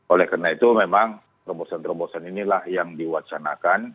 oleh karena itu memang terobosan terobosan inilah yang diwacanakan